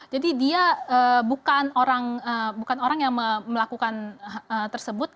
jadi dia bukan orang yang melakukan tersebut